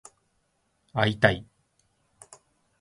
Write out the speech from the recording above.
会いたい